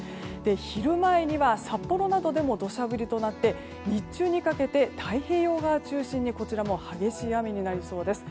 昼前には札幌などでも土砂降りとなって日中にかけて太平洋側中心に、こちらも激しい雨になりそうです。